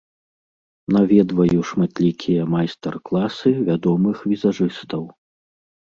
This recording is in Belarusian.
Наведваю шматлікія майстар-класы вядомых візажыстаў.